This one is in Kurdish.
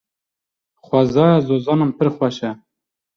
Xwezaya zozanan pir xweş e.